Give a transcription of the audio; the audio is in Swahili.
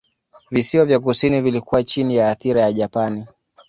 Visiwa vya kusini vilikuwa chini ya athira ya Japani.